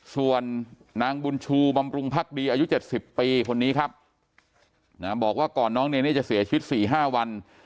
ส่วนนางบุญชูบำรุงพักดีอายุ๗๐ปีคนนี้ครับบอกว่าก่อนน้องเนเน่จะเสียชีวิต๔๕วัน